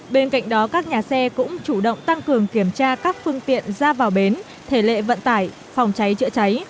bên cạnh đó các nhà xe cũng chủ động tăng cường kiểm tra các phương tiện ra vào bến thể lệ vận tải phòng cháy chữa cháy